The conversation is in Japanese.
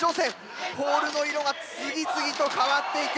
ポールの色が次々と変わっていく。